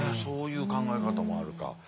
そういう考え方もあるか。